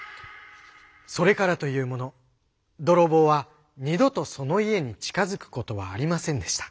それからというもの泥棒は二度とその家に近づくことはありませんでした。